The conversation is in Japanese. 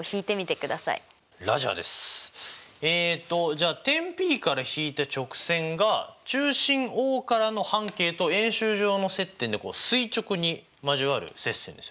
じゃあ点Ｐからひいた直線が中心Ｏからの半径と円周上の接点で垂直に交わる接線ですよね。